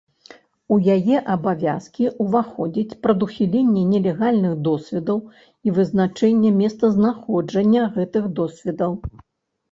У яе абавязкі ўваходзіць прадухіленне нелегальных досведаў і вызначэнне месцазнаходжання гэтых досведаў.